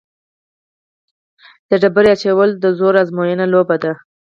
د ډبرې اچول د زور ازموینې لوبه ده.